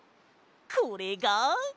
これが！